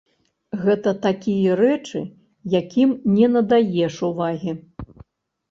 Гэта такія рэчы, якім не надаеш увагі.